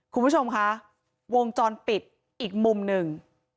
คุณผู้ชมคะวงจรปิดอีกมุมหนึ่ง